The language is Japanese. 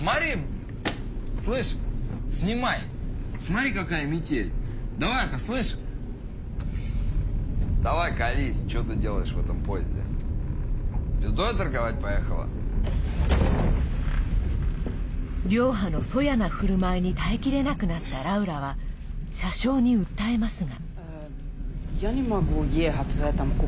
リョーハの粗野な振る舞いに耐えきれなくなったラウラは車掌に訴えますが。